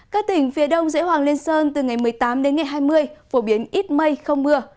các tỉnh phía đông dãy hoàng lên sơn từ ngày một mươi tám đến ngày hai mươi phổ biến ít mây không mưa